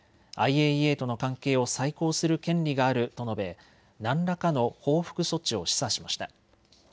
ＩＡＥＡとの関係を再考する権利があると述べ何らかの報復措置を示唆しました。